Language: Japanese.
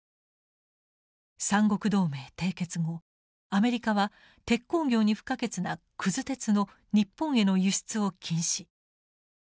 三国同盟締結後アメリカは鉄鋼業に不可欠なくず鉄の日本への輸出を禁止。